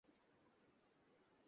আজকে রাতটা স্বর্ণময়।